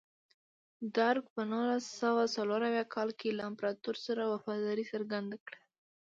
درګ په نولس سوه څلور اویا کال کې له امپراتور سره وفاداري څرګنده کړه.